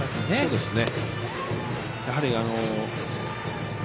そうですね